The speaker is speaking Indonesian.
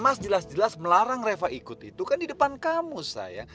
mas jelas jelas melarang reva ikut itu kan di depan kamu saya